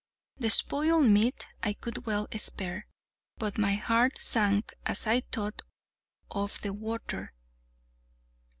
The spoiled meat I could well spare, but my heart sank as I thought of the water.